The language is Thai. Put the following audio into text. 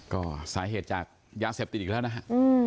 ก็สาเหตุจากยาเสพติดอีกแล้วนะฮะ